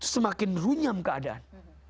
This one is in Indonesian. semakin runyam keadaan